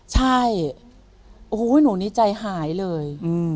ใช่โอ้โหหนูนี่ใจหายเลย